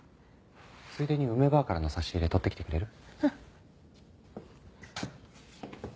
ついでに梅ばあからの差し入れ取ってきてくれる？